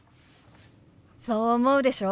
そう思うでしょ？